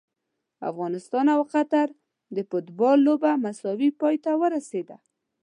افغانستان او قطر د فوټبال لوبه مساوي پای ته ورسیده!